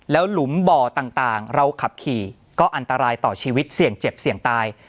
แล้วหลุมบ่อต่างเราขับขี่ก็อันตรายต่อชีวิตเสี่ยงเจ็บเสี่ยงตาย